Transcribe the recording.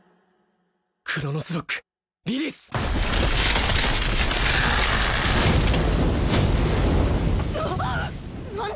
クロノスロックリリースなっ何だ